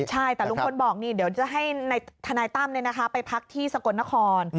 ใช่แต่ลุงพลบอกนี่เดี๋ยวจะให้ทนายตั้มไปพักที่สกลนคร